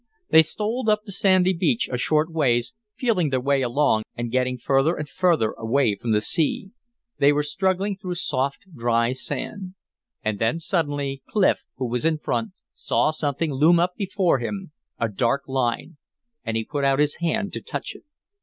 They stole up the sandy beach a short ways, feeling their way along and getting further and further away from the sea. They were struggling through soft dry sand. And suddenly Clif, who was in front, saw something loom up before him, a dark line. And he put out his hand to touch it.